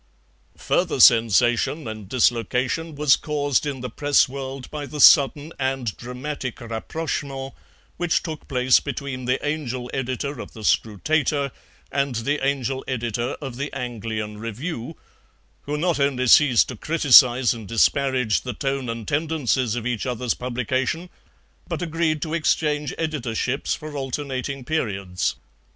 Further sensation and dislocation was caused in the Press world by the sudden and dramatic RAPPROCHEMENT which took place between the Angel Editor of the SCRUTATOR and the Angel Editor of the ANGLIAN REVIEW, who not only ceased to criticize and disparage the tone and tendencies of each other's publication, but agreed to exchange editorships for alternating periods.